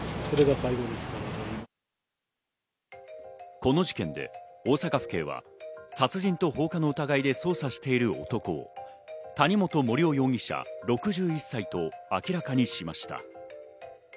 この事件で大阪府警が殺人と放火の疑いで捜査している男を谷本盛雄容疑者、６１歳と明らかにしました。